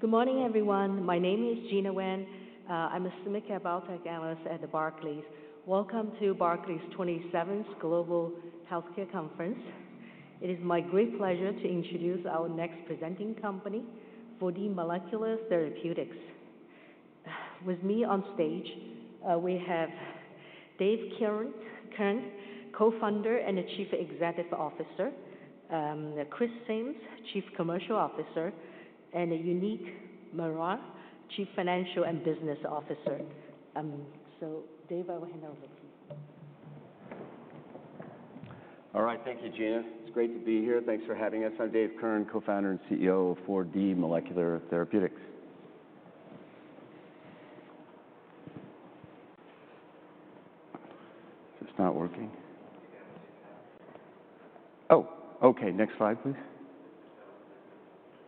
Good morning, everyone. My name is Gena Wang. I'm a clinical biotech analyst at Barclays. Welcome to Barclays' 27th Global Healthcare Conference. It is my great pleasure to introduce our next presenting company, 4D Molecular Therapeutics. With me on stage, we have Dave Kirn, Co-founder and the Chief Executive Officer, Chris Simms, Chief Commercial Officer, and Uneek Mehra, Chief Financial and Business Officer. Dave, I will hand over to you. All right, thank you, Gena. It's great to be here. Thanks for having us. I'm Dave Kirn, co-founder and CEO of 4D Molecular Therapeutics. Just not working. Oh, okay. Next slide, please.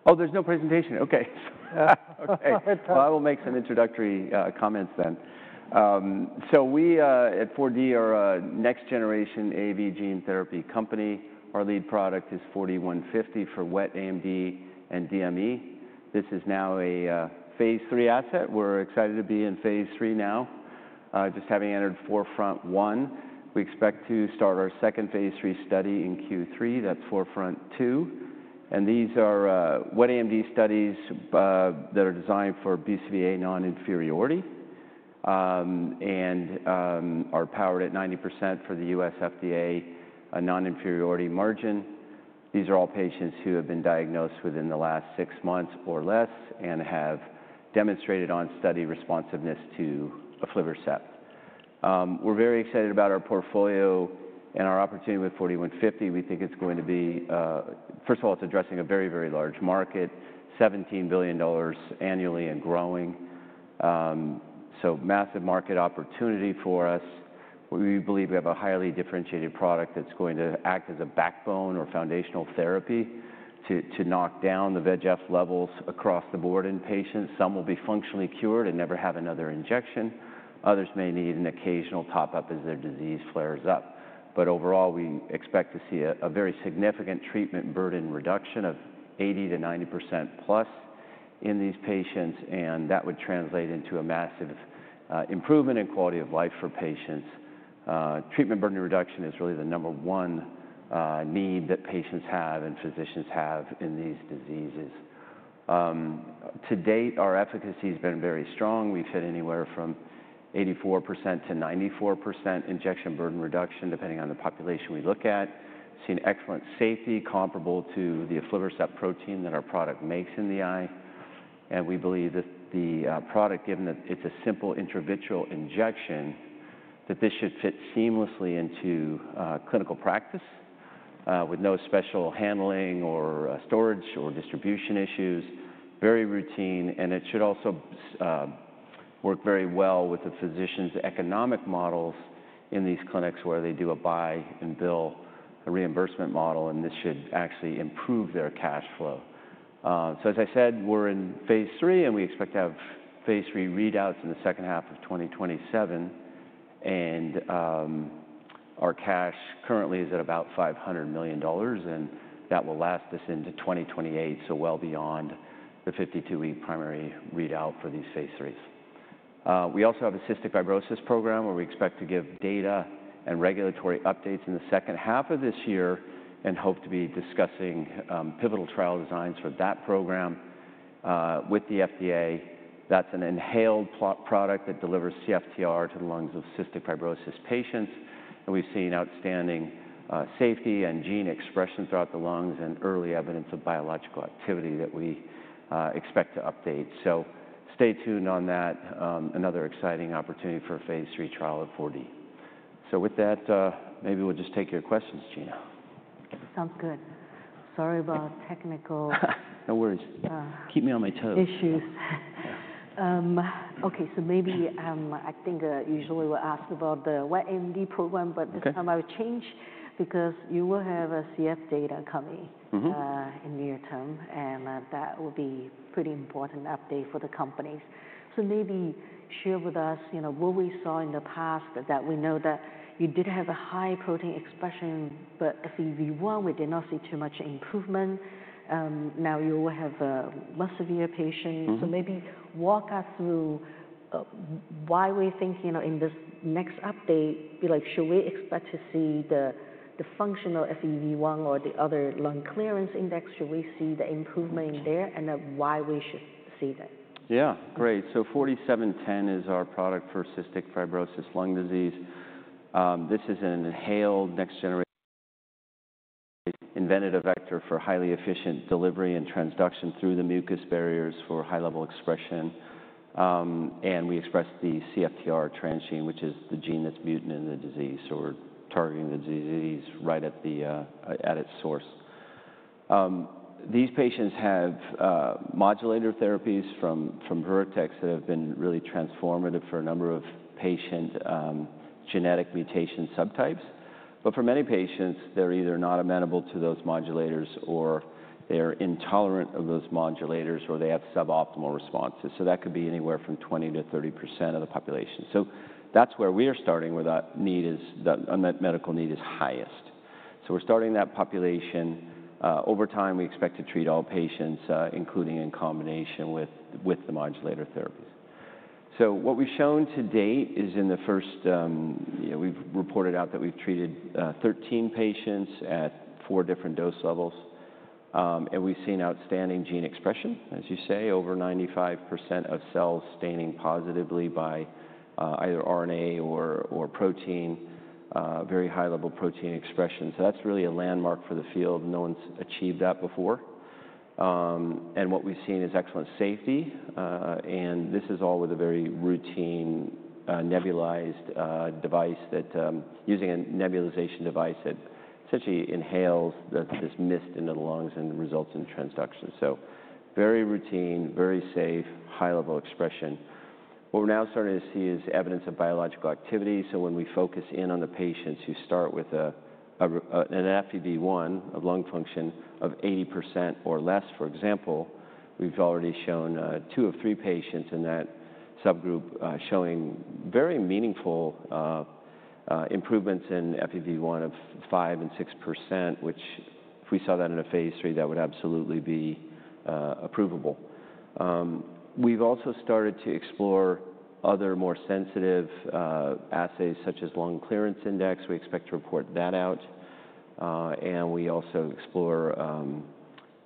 Oh, there's no presentation. Okay. Okay. I will make some introductory comments then. We at 4D are a next-generation AAV gene therapy company. Our lead product is 4D-150 for wet AMD and DME. This is now a Phase 3 asset. We're excited to be in Phase 3 now, just having entered 4FRONT-1. We expect to start our second Phase 3 study in Q3. That's 4FRONT-2. These are wet AMD studies that are designed for BCVA non-inferiority and are powered at 90% for the U.S. FDA non-inferiority margin. These are all patients who have been diagnosed within the last six months or less and have demonstrated on-study responsiveness to aflibercept. We're very excited about our portfolio and our opportunity with 4D-150. We think it's going to be, first of all, it's addressing a very, very large market, $17 billion annually and growing. Massive market opportunity for us. We believe we have a highly differentiated product that's going to act as a backbone or foundational therapy to knock down the VEGF levels across the board in patients. Some will be functionally cured and never have another injection. Others may need an occasional top-up as their disease flares up. Overall, we expect to see a very significant treatment burden reduction of 80%-90%+ in these patients, and that would translate into a massive improvement in quality of life for patients. Treatment burden reduction is really the number one need that patients have and physicians have in these diseases. To date, our efficacy has been very strong. We've hit anywhere from 84%-94% injection burden reduction depending on the population we look at. Seen excellent safety comparable to the aflibercept protein that our product makes in the eye. We believe that the product, given that it's a simple intravitreal injection, should fit seamlessly into clinical practice with no special handling or storage or distribution issues. Very routine. It should also work very well with the physicians' economic models in these clinics where they do a buy and bill reimbursement model, and this should actually improve their cash flow. As I said, we're in Phase 3, and we expect to have Phase 3 readouts in the second half of 2027. Our cash currently is at about $500 million, and that will last us into 2028, so well beyond the 52-week primary readout for these Phase 3s. We also have a cystic fibrosis program where we expect to give data and regulatory updates in the second half of this year and hope to be discussing pivotal trial designs for that program with the FDA. That's an inhaled product that delivers CFTR to the lungs of cystic fibrosis patients. We've seen outstanding safety and gene expression throughout the lungs and early evidence of biological activity that we expect to update. Stay tuned on that. Another exciting opportunity for a Phase 3 trial of 4D. With that, maybe we'll just take your questions, Gena. Sounds good. Sorry about technical. No worries. Keep me on my toes. Issues. Okay, I think usually we're asked about the wet AMD program, but this time I will change because you will have CF data coming in the near term, and that will be a pretty important update for the companies. Maybe share with us what we saw in the past that we know that you did have a high protein expression, but FEV1, we did not see too much improvement. Now you will have less severe patients. Maybe walk us through why we think in this next update, should we expect to see the functional FEV1 or the other lung clearance index? Should we see the improvement in there and why we should see that? Yeah, great. 4D-710 is our product for cystic fibrosis lung disease. This is an inhaled next-generation. Invented a vector for highly efficient delivery and transduction through the mucus barriers for high-level expression. And we express the CFTR transgene, which is the gene that's mutant in the disease. We're targeting the disease right at its source. These patients have modulator therapies from Vertex that have been really transformative for a number of patient genetic mutation subtypes. For many patients, they're either not amenable to those modulators or they're intolerant of those modulators, or they have suboptimal responses. That could be anywhere from 20%-30% of the population. That's where we are starting where that unmet medical need is highest. We're starting that population. Over time, we expect to treat all patients, including in combination with the modulator therapies. What we've shown to date is in the first, we've reported out that we've treated 13 patients at four different dose levels. We've seen outstanding gene expression, as you say, over 95% of cells staining positively by either RNA or protein, very high-level protein expression. That's really a landmark for the field. No one's achieved that before. What we've seen is excellent safety. This is all with a very routine nebulized device that, using a nebulization device, essentially inhales this mist into the lungs and results in transduction. Very routine, very safe, high-level expression. What we're now starting to see is evidence of biological activity. When we focus in on the patients who start with an FEV1 of lung function of 80% or less, for example, we've already shown two of three patients in that subgroup showing very meaningful improvements in FEV1 of 5% and 6%, which if we saw that in a Phase 3, that would absolutely be approvable. We've also started to explore other more sensitive assays such as lung clearance index. We expect to report that out. We also explore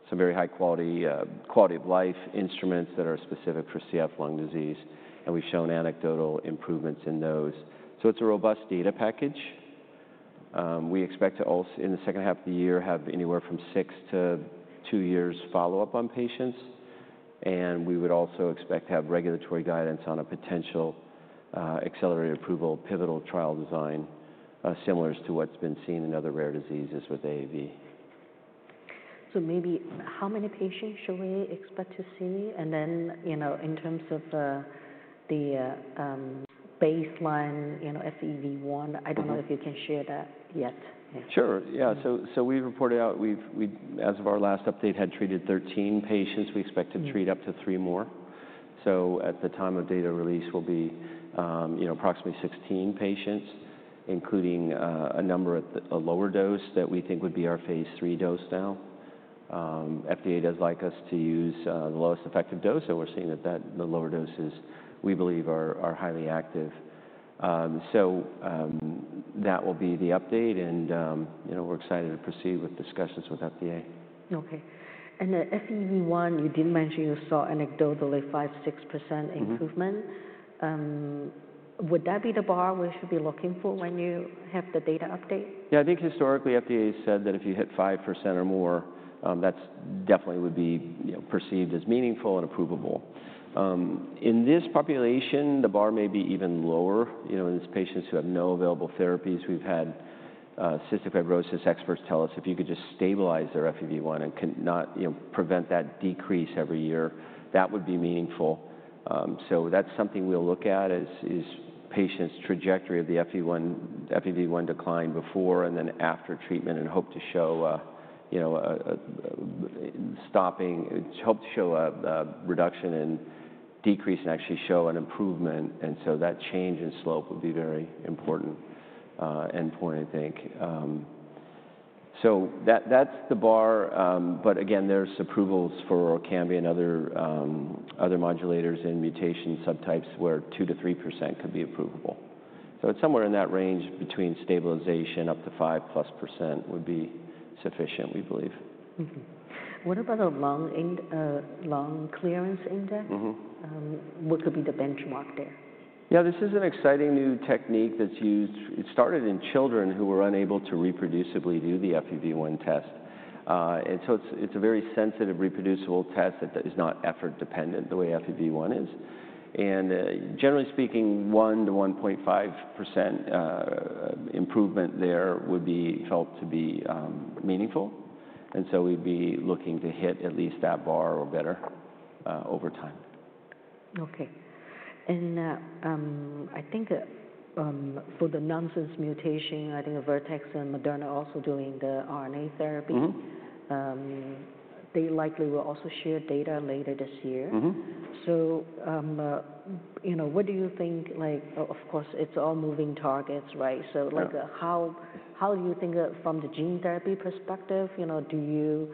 some very high-quality quality of life instruments that are specific for CF lung disease. We've shown anecdotal improvements in those. It is a robust data package. We expect to, in the second half of the year, have anywhere from six to two years follow-up on patients. We would also expect to have regulatory guidance on a potential accelerated approval pivotal trial design similar to what's been seen in other rare diseases with AAV. How many patients should we expect to see? And then in terms of the baseline FEV1, I don't know if you can share that yet. Sure. Yeah. We reported out, as of our last update, had treated 13 patients. We expect to treat up to three more. At the time of data release, we'll be approximately 16 patients, including a number at a lower dose that we think would be our Phase 3 dose now. FDA does like us to use the lowest effective dose. We're seeing that the lower doses, we believe, are highly active. That will be the update. We're excited to proceed with discussions with FDA. Okay. The FEV1, you did mention you saw anecdotally 5%-6% improvement. Would that be the bar we should be looking for when you have the data update? Yeah, I think historically FDA said that if you hit 5% or more, that definitely would be perceived as meaningful and approvable. In this population, the bar may be even lower. In these patients who have no available therapies, we've had cystic fibrosis experts tell us if you could just stabilize their FEV1 and prevent that decrease every year, that would be meaningful. That is something we'll look at is patients' trajectory of the FEV1 decline before and then after treatment and hope to show stopping, hope to show a reduction and decrease and actually show an improvement. That change in slope would be very important endpoint, I think. That is the bar. Again, there's approvals for Orkambi and other modulators in mutation subtypes where 2%-3% could be approvable. It is somewhere in that range between stabilization up to 5%+ would be sufficient, we believe. What about a Lung Clearance Index? What could be the benchmark there? Yeah, this is an exciting new technique that's used. It started in children who were unable to reproducibly do the FEV1 test. It is a very sensitive, reproducible test that is not effort dependent the way FEV1 is. Generally speaking, 1%-1.5% improvement there would be felt to be meaningful. We would be looking to hit at least that bar or better over time. Okay. I think for the nonsense mutation, I think Vertex and Moderna are also doing the RNA therapy. They likely will also share data later this year. What do you think? Of course, it's all moving targets, right? How do you think from the gene therapy perspective, the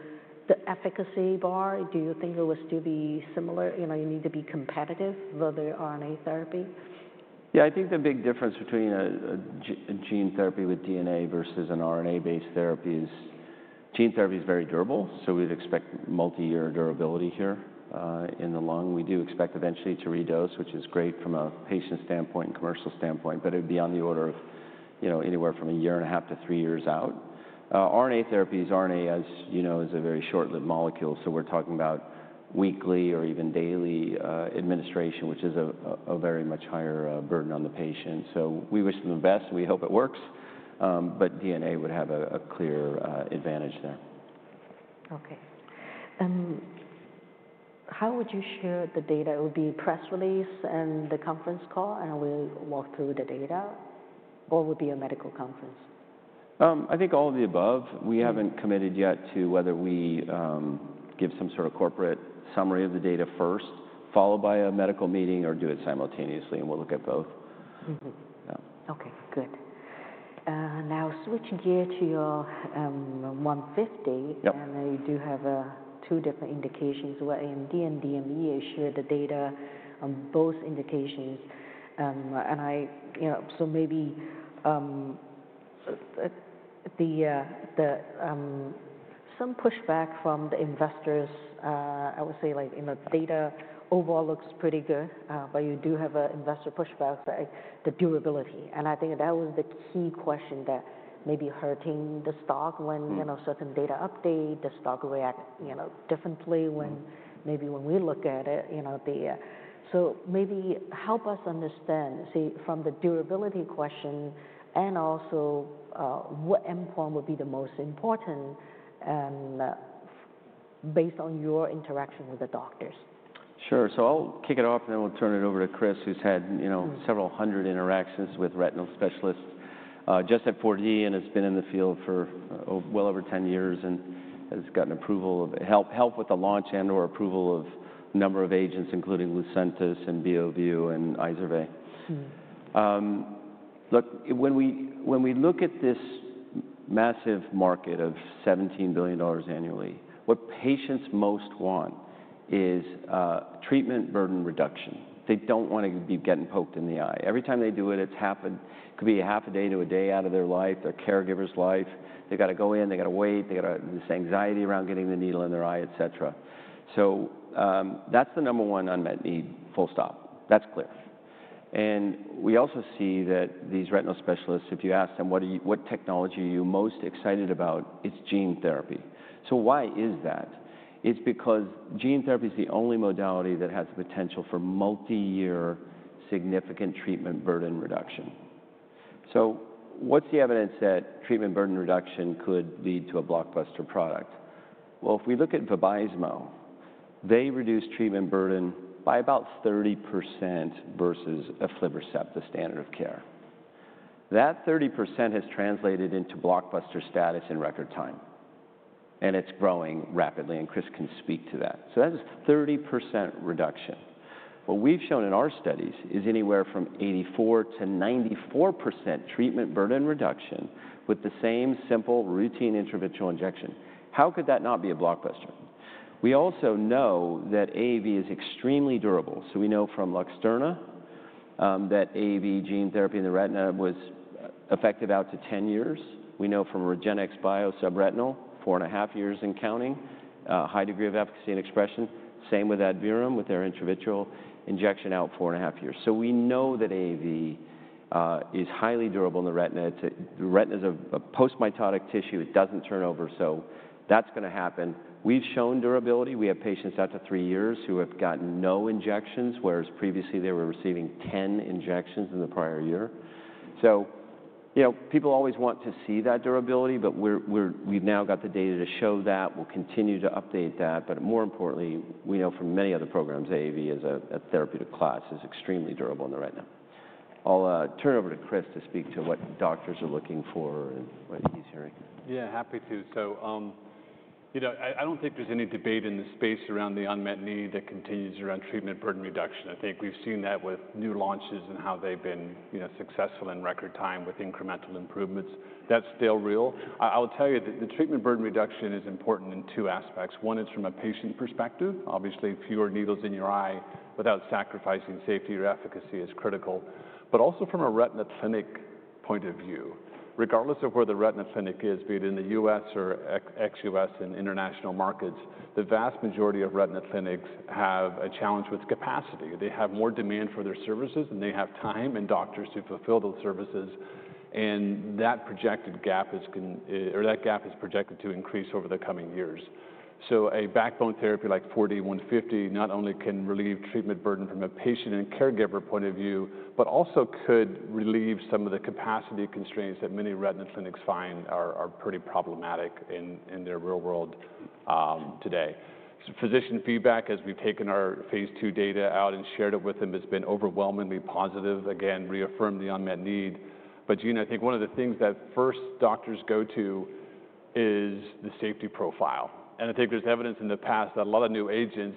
efficacy bar, do you think it will still be similar? You need to be competitive with the RNA therapy. Yeah, I think the big difference between a gene therapy with DNA versus an RNA-based therapy is gene therapy is very durable. We'd expect multi-year durability here in the lung. We do expect eventually to redose, which is great from a patient standpoint and commercial standpoint, but it'd be on the order of anywhere from a year and a half to three years out. RNA therapy is RNA, as you know, is a very short-lived molecule. We're talking about weekly or even daily administration, which is a very much higher burden on the patient. We wish them the best. We hope it works. DNA would have a clear advantage there. Okay. How would you share the data? It would be press release and the conference call, and we'll walk through the data, or would it be a medical conference? I think all of the above. We haven't committed yet to whether we give some sort of corporate summary of the data first, followed by a medical meeting, or do it simultaneously. We'll look at both. Okay, good. Now switching gear to your 150. And you do have two different indications, wet AMD and DME, share the data on both indications. Maybe some pushback from the investors, I would say like data overall looks pretty good, but you do have investor pushback, the durability. I think that was the key question that may be hurting the stock when certain data update, the stock react differently when maybe when we look at it. Maybe help us understand, say, from the durability question and also what endpoint would be the most important based on your interaction with the doctors. Sure. I'll kick it off, and then we'll turn it over to Chris, who's had several hundred interactions with retinal specialists just at 4D and has been in the field for well over 10 years and has gotten approval of, helped with the launch and/or approval of a number of agents, including Lucentis and Beovu and Eylea. Look, when we look at this massive market of $17 billion annually, what patients most want is treatment burden reduction. They don't want to be getting poked in the eye. Every time they do it, it could be half a day to a day out of their life, their caregiver's life. They've got to go in, they've got to wait, they've got this anxiety around getting the needle in their eye, et cetera. That's the number one unmet need, full stop. That's clear. We also see that these retinal specialists, if you ask them, "What technology are you most excited about?" it's gene therapy. Why is that? It's because gene therapy is the only modality that has the potential for multi-year significant treatment burden reduction. What's the evidence that treatment burden reduction could lead to a blockbuster product? If we look at Vabysmo, they reduce treatment burden by about 30% versus aflibercept, the standard of care. That 30% has translated into blockbuster status in record time. It's growing rapidly, and Chris can speak to that. That is 30% reduction. What we've shown in our studies is anywhere from 84%-94% treatment burden reduction with the same simple routine intravitreal injection. How could that not be a blockbuster? We also know that AAV is extremely durable. We know from Luxturna that AAV gene therapy in the retina was effective out to 10 years. We know from Regenxbio subretinal, four and a half years and counting, high degree of efficacy and expression. Same with Adverum with their intravitreal injection out four and a half years. We know that AAV is highly durable in the retina. The retina is a post-mitotic tissue. It does not turn over. That is going to happen. We have shown durability. We have patients out to three years who have gotten no injections, whereas previously they were receiving 10 injections in the prior year. People always want to see that durability, but we have now got the data to show that. We will continue to update that. More importantly, we know from many other programs, AAV as a therapeutic class is extremely durable in the retina. I'll turn it over to Chris to speak to what doctors are looking for and what he's hearing. Yeah, happy to. I don't think there's any debate in the space around the unmet need that continues around treatment burden reduction. I think we've seen that with new launches and how they've been successful in record time with incremental improvements. That's still real. I'll tell you that the treatment burden reduction is important in two aspects. One is from a patient perspective. Obviously, fewer needles in your eye without sacrificing safety or efficacy is critical. Also from a retina clinic point of view, regardless of where the retina clinic is, be it in the U.S. or ex-U.S. and international markets, the vast majority of retina clinics have a challenge with capacity. They have more demand for their services, and they have time and doctors to fulfill those services. That gap is projected to increase over the coming years. A backbone therapy like 4D-150 not only can relieve treatment burden from a patient and caregiver point of view, but also could relieve some of the capacity constraints that many retina clinics find are pretty problematic in their real world today. Physician feedback, as we've taken our Phase 2 data out and shared it with them, has been overwhelmingly positive. Again, reaffirmed the unmet need. Gena, I think one of the things that first doctors go to is the safety profile. I think there's evidence in the past that a lot of new agents,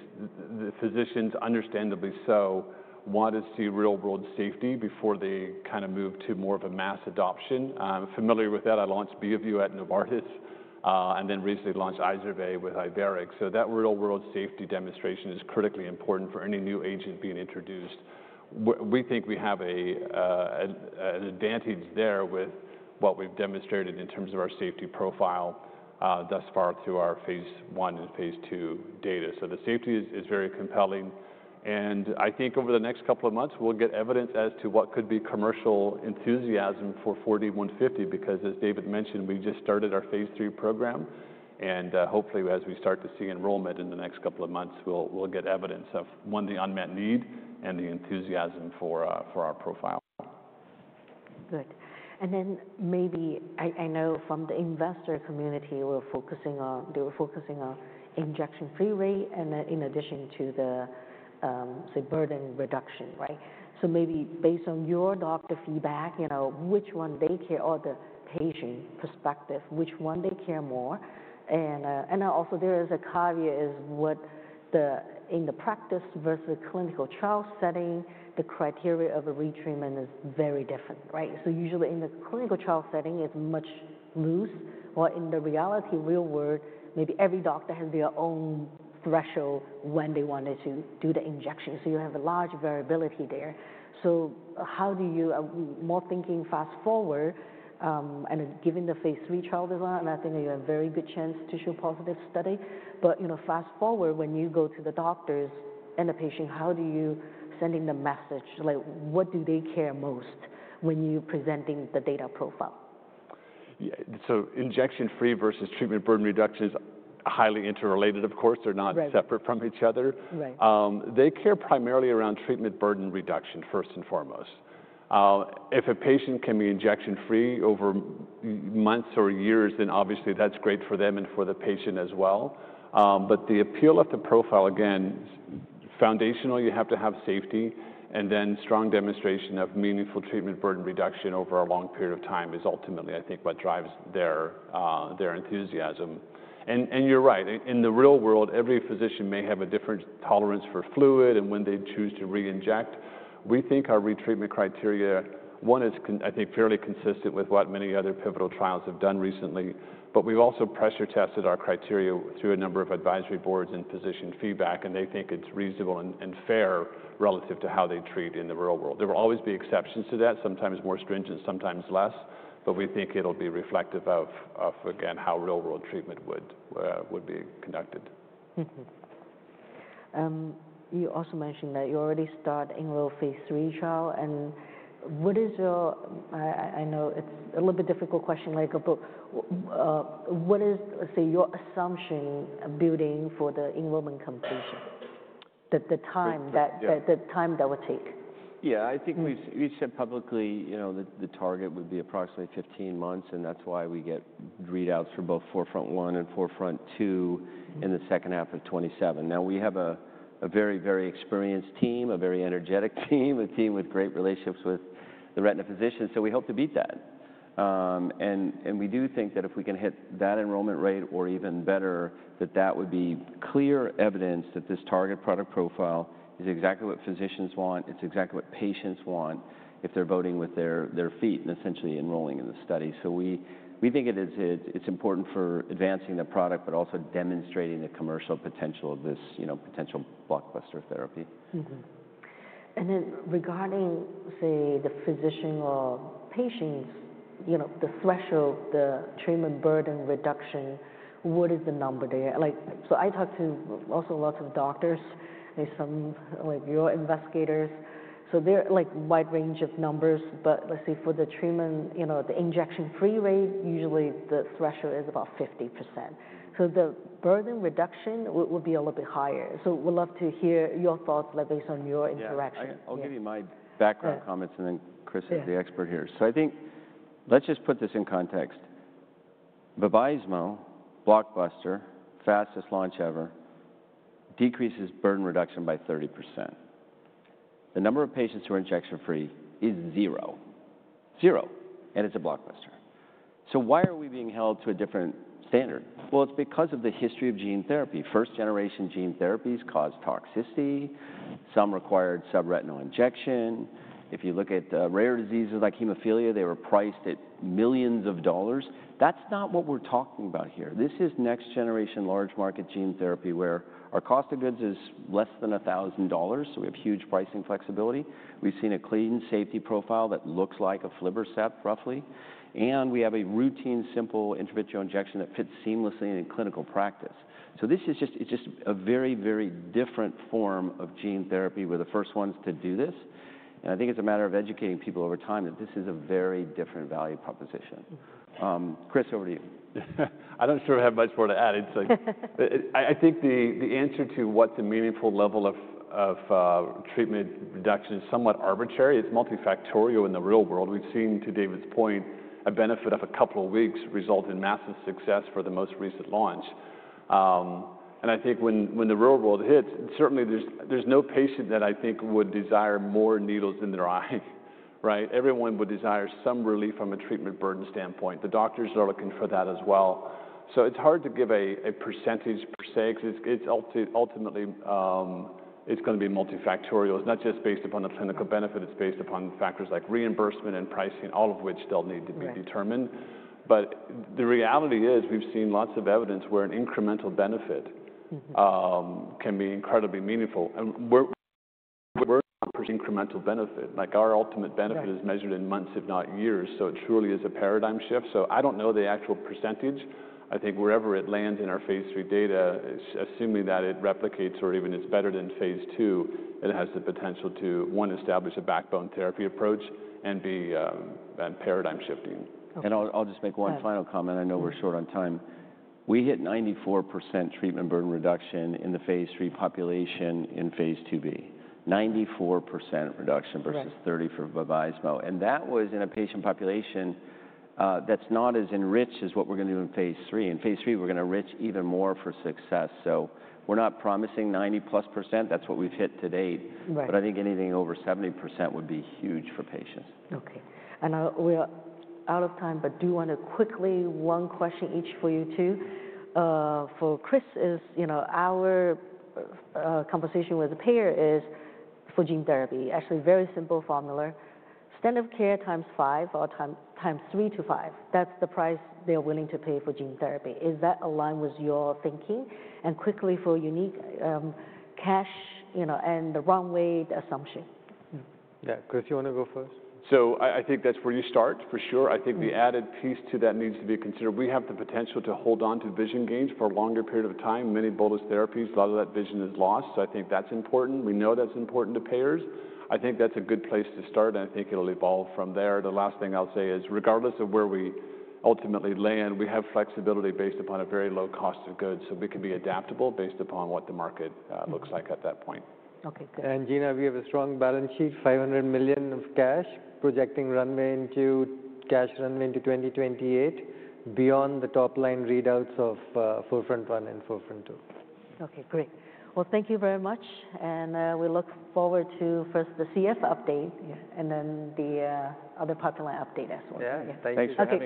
the physicians understandably so, want to see real-world safety before they kind of move to more of a mass adoption. Familiar with that, I launched Beovu at Novartis and then recently launched Eysuvis with Eyevance. That real-world safety demonstration is critically important for any new agent being introduced. We think we have an advantage there with what we've demonstrated in terms of our safety profile thus far through our Phase 1 and Phase 2 data. The safety is very compelling. I think over the next couple of months, we'll get evidence as to what could be commercial enthusiasm for 4D-150 because, as David mentioned, we just started our Phase 3 program. Hopefully, as we start to see enrollment in the next couple of months, we'll get evidence of, one, the unmet need and the enthusiasm for our profile. Good. I know from the investor community, they were focusing on injection-free rate in addition to the burden reduction, right? Maybe based on your doctor feedback, which one they care, or the patient perspective, which one they care more. Also, there is a caveat. In the practice versus clinical trial setting, the criteria of a retreatment is very different, right? Usually in the clinical trial setting, it's much loose. In the reality, real world, maybe every doctor has their own threshold when they wanted to do the injection. You have a large variability there. How do you, more thinking fast forward and given the Phase 3 trial design, I think you have a very good chance to show positive study. Fast forward, when you go to the doctors and the patient, how do you send in the message? What do they care most when you're presenting the data profile? Injection-free versus treatment burden reduction is highly interrelated, of course. They're not separate from each other. They care primarily around treatment burden reduction, first and foremost. If a patient can be injection-free over months or years, then obviously that's great for them and for the patient as well. The appeal of the profile, again, foundationally, you have to have safety. And then strong demonstration of meaningful treatment burden reduction over a long period of time is ultimately, I think, what drives their enthusiasm. You're right. In the real world, every physician may have a different tolerance for fluid. When they choose to reinject, we think our retreatment criteria, one is, I think, fairly consistent with what many other pivotal trials have done recently. We've also pressure tested our criteria through a number of advisory boards and physician feedback. They think it's reasonable and fair relative to how they treat in the real world. There will always be exceptions to that, sometimes more stringent, sometimes less. We think it'll be reflective of, again, how real-world treatment would be conducted. You also mentioned that you already start in your Phase 3 trial. What is your, I know it's a little bit difficult question, Michael, but what is, say, your assumption building for the enrollment completion, the time that will take? Yeah, I think we've said publicly the target would be approximately 15 months. That's why we get readouts for both 4FRONT-1 and 4FRONT-2 in the second half of 2027. Now, we have a very, very experienced team, a very energetic team, a team with great relationships with the retina physicians. We hope to beat that. We do think that if we can hit that enrollment rate or even better, that would be clear evidence that this target product profile is exactly what physicians want. It's exactly what patients want if they're voting with their feet and essentially enrolling in the study. We think it's important for advancing the product, but also demonstrating the commercial potential of this potential blockbuster therapy. Regarding, say, the physician or patients, the threshold, the treatment burden reduction, what is the number there? I talked to also lots of doctors, some like your investigators. There are wide range of numbers. Let's say for the treatment, the injection-free rate, usually the threshold is about 50%. The burden reduction would be a little bit higher. I'd love to hear your thoughts based on your interaction. Yeah, I'll give you my background comments, and then Chris is the expert here. I think let's just put this in context. Vabysmo, blockbuster, fastest launch ever, decreases burden reduction by 30%. The number of patients who are injection-free is zero. Zero. And it's a blockbuster. Why are we being held to a different standard? It's because of the history of gene therapy. First-generation gene therapies cause toxicity. Some required subretinal injection. If you look at rare diseases like hemophilia, they were priced at millions of dollars. That's not what we're talking about here. This is next-generation large market gene therapy where our cost of goods is less than $1,000. We have huge pricing flexibility. We've seen a clean safety profile that looks like aflibercept, roughly. We have a routine simple intravitreal injection that fits seamlessly in clinical practice. This is just a very, very different form of gene therapy where the first ones to do this. I think it's a matter of educating people over time that this is a very different value proposition. Chris, over to you. I don't sure I have much more to add. I think the answer to what's a meaningful level of treatment reduction is somewhat arbitrary. It's multifactorial in the real world. We've seen, to David's point, a benefit of a couple of weeks result in massive success for the most recent launch. I think when the real world hits, certainly there's no patient that I think would desire more needles in their eye, right? Everyone would desire some relief from a treatment burden standpoint. The doctors are looking for that as well. It's hard to give a percentage per se because ultimately it's going to be multifactorial. It's not just based upon the clinical benefit. It's based upon factors like reimbursement and pricing, all of which still need to be determined. The reality is we've seen lots of evidence where an incremental benefit can be incredibly meaningful. Incremental benefit. Our ultimate benefit is measured in months, if not years. It truly is a paradigm shift. I do not know the actual percentage. I think wherever it lands in our Phase 3 data, assuming that it replicates or even is better than Phase 2, it has the potential to, one, establish a backbone therapy approach and be paradigm shifting. I'll just make one final comment. I know we're short on time. We hit 94% treatment burden reduction in the Phase 3 population in Phase 2b. 94% reduction versus 30% for Vabysmo. That was in a patient population that's not as enriched as what we're going to do in Phase 3. In Phase 3, we're going to enrich even more for success. We're not promising 90%+. That's what we've hit to date. I think anything over 70% would be huge for patients. Okay. We are out of time, but do want to quickly ask one question each for you two. For Chris, our conversation with the payer is for gene therapy, actually very simple formula, standard of care times five or times three to five. That is the price they are willing to pay for gene therapy. Is that aligned with your thinking? And quickly for Uneek, cash and the runway assumption. Yeah, Chris, you want to go first? I think that's where you start, for sure. I think the added piece to that needs to be considered. We have the potential to hold on to vision gains for a longer period of time. Many bolus therapies, a lot of that vision is lost. I think that's important. We know that's important to payers. I think that's a good place to start. I think it'll evolve from there. The last thing I'll say is regardless of where we ultimately land, we have flexibility based upon a very low cost of goods. We can be adaptable based upon what the market looks like at that point. Okay, good. Gena, have you have a strong balance sheet, $500 million of cash projecting runway into cash runway into 2028 beyond the top line readouts of 4FRONT-1 and 4FRONT-2? Okay, great. Thank you very much. We look forward to first the CF update and then the other popular update as well. Yeah, thanks for that.